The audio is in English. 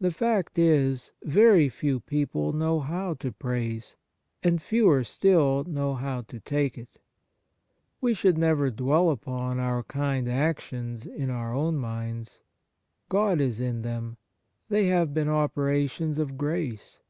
The fact is, very few people know how to praise, and fewer still know how to take 102 Kindness it. We should never dwell upon our kind actions in our own minds. God is in them. They have been operations of grace.